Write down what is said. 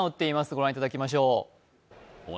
ご覧いただきましょう。